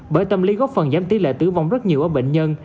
bởi tâm lý góp phần giảm tỷ lệ tử vong rất nhiều ở bệnh nhân